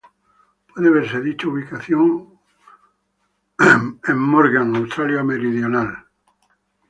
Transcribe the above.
Puede verse dicha ubicación en Google maps: Morgan, Australia Meridional.